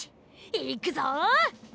いくぞ！